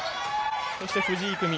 そして藤井郁美。